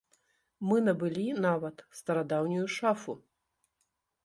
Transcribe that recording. Мы набылі, нават, старадаўнюю шафу.